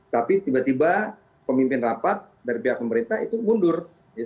tapi tiba tiba pemimpin rapat dari pihak pemerintah itu mundur